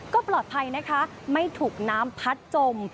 ก็ปลอดภัยนะคะไม่ถูกน้ำพัดจม